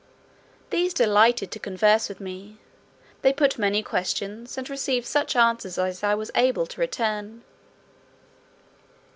These delighted to converse with me: they put many questions, and received such answers as I was able to return.